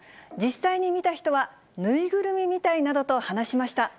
実際に見た人は、縫いぐるみみたいなどと話しました。